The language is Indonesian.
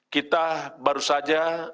kita baru saja